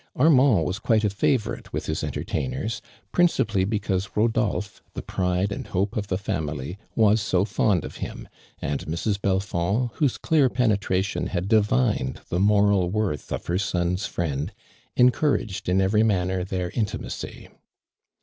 Armand was quite a favorite with his entertainers, principally because Rodolphe, the pride and hope of the fti mily, was so fond of him, and Mrs. Belfond, whose clear penetration had divined the moral worth of her son's fViend, encour aged in eveiy manner their intimacy.